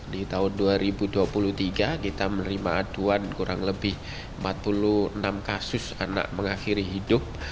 di tahun dua ribu dua puluh tiga kita menerima aduan kurang lebih empat puluh enam kasus karena mengakhiri hidup